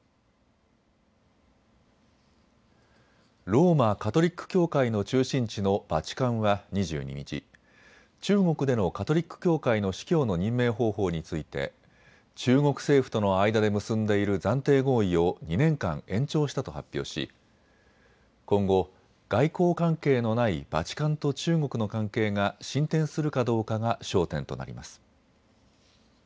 ローマ・カトリック教会の中心地のバチカンは２２日、中国でのカトリック教会の司教の任命方法について中国政府との間で結んでいる暫定合意を２年間、延長したと発表し今後、外交関係のないバチカンと中国の関係が進展するかどうかが焦点となります。